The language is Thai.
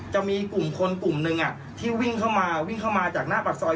จะมีกลุ่มคนกลุ่มหนึ่งที่วิ่งเข้ามาวิ่งเข้ามาจากหน้าปากซอย